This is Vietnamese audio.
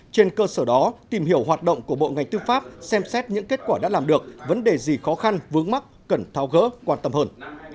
trên cơ sở đó tìm hiểu hoạt động của bộ ngành tư pháp xem xét những kết quả đã làm được vấn đề gì khó khăn vướng mắt cần thao gỡ quan tâm hơn